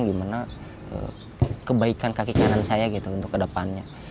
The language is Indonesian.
mereka mengambil keputusan untuk kebaikan kaki kanan saya untuk ke depannya